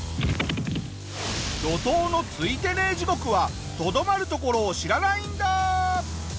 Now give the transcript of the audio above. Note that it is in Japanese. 「」怒濤のついてねえ地獄はとどまるところを知らないんだ！